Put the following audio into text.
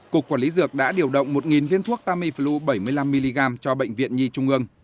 cục quản lý dược đã điều động một viên thuốc tamiflu bảy mươi năm mg cho bệnh viện nhi trung ương